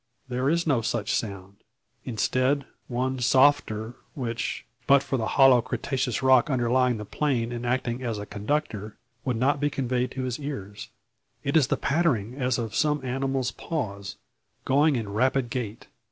There is no such sound. Instead, one softer, which, but for the hollow cretaceous rock underlying the plain and acting as a conductor, would not be conveyed to his ears. It is a pattering as of some animal's paws, going in rapid gait.